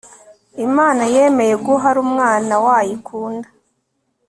Imana yemeye guharumwana wayikunda